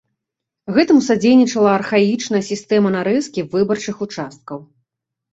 Гэтаму садзейнічала архаічная сістэма нарэзкі выбарчых участкаў.